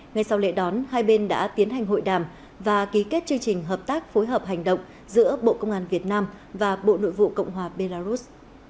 ngay sau lễ đón hai bên đã tiến hành hội đàm và ký kết chương trình hợp tác phối hợp hành động giữa bộ công an việt nam và bộ nội vụ cộng hòa belarus